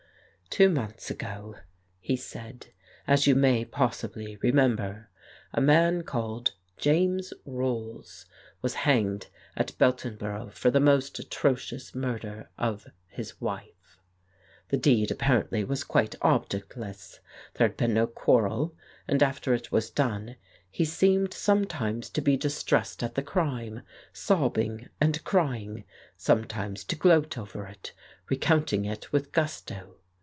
"Two months ago," he said, "as you may pos sibly remember, a man called James Rolls was hanged at Beltonborough for the most atrocious murder of his wife. The deed apparently was quite objectless; there had been no quarrel, and after it was done he seemed sometimes to be distressed at the crime, sobbing and crying, sometimes to gloat over it, re counting it with gusto.